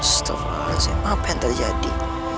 astagfirullahaladzim apa yang terjadi